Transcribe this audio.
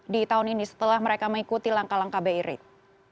di tahun ini setelah mereka mengikuti langkah langkah bi rate